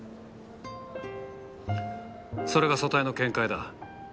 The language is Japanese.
それが組対の見解だ。